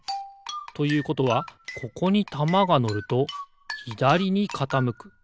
ということはここにたまがのるとひだりにかたむく。